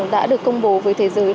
đã được công bố với thế giới